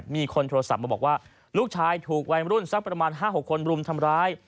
มีคนโทรศัพท์มาบอกว่าลูกชายถูกวัยรุ่นสักประมาณ๕๖คนรุมทำร้าย